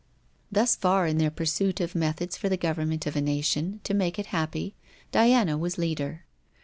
Thus far in their pursuit of methods for the government of a nation, to make it happy, Diana was leader.